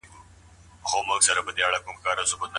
موږ په خپلو کړنو کي خپلواک يو.